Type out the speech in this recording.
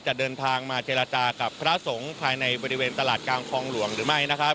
จะเดินทางมาเจรจากับพระสงฆ์ภายในบริเวณตลาดกลางคลองหลวงหรือไม่นะครับ